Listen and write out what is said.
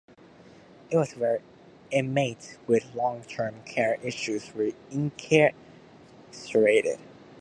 It was where inmates with long-term care issues were incarcerated.